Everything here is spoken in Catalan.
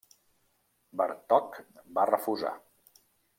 Bartók va refusar.